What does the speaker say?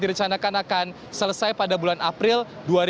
direcanakan akan selesai pada bulan april